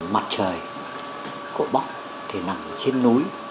mặt trời của bóc thì nằm trên núi